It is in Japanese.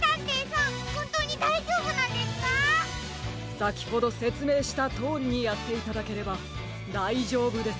さきほどせつめいしたとおりにやっていただければだいじょうぶです。